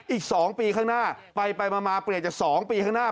อีก๒ปีข้างหน้าไปมาเปลี่ยนจาก๒ปีข้างหน้า